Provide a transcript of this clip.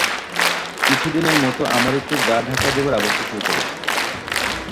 কিছুদিনের মত আমার একটু গা-ঢাকা দেবার আবশ্যক হয়ে পড়েছে।